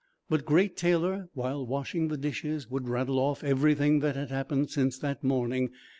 But Great Taylor while washing the dishes would rattle off everything that had happened since that morning.